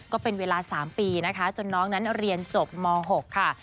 ก็เป็นเวลา๓ปีนะคะจนน้องนั้นเรียนจบม๖ค่ะ